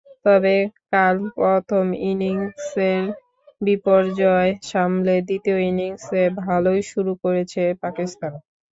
তবে কাল প্রথম ইনিংসের বিপর্যয় সামলে দ্বিতীয় ইনিংসে ভালোই শুরু করেছে পাকিস্তান।